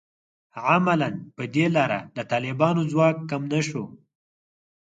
عملاً په دې لاره د طالبانو ځواک کم نه شو